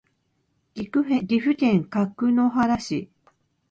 岐阜県各務原市